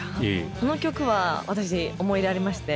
この曲は私思い出ありまして。